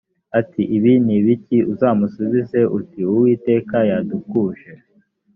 ati ibi ni ibiki uzamusubize uti uwiteka yadukuje